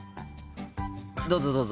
どうぞどうぞ。